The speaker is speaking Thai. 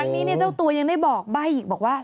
นี้เจ้าตัวยังได้บอกใบ้อีกบอกว่า